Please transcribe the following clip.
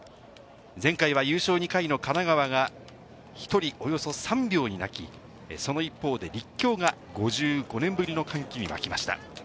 前回は優勝２回の神奈川が１人、およそ３秒に泣き、その一方で、立教が５５年ぶりの歓喜に沸きました。